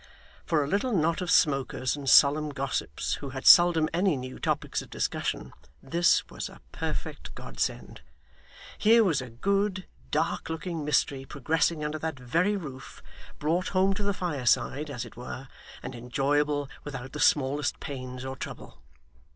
For a little knot of smokers and solemn gossips, who had seldom any new topics of discussion, this was a perfect Godsend. Here was a good, dark looking mystery progressing under that very roof brought home to the fireside, as it were, and enjoyable without the smallest pains or trouble.